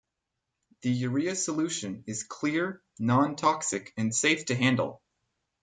The urea solution is clear, non-toxic and safe to handle.